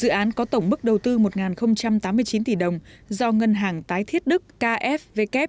dự án có tổng mức đầu tư một tám mươi chín tỷ đồng do ngân hàng tái thiết đức kfw